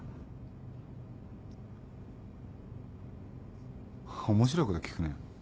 面白いこと聞くね。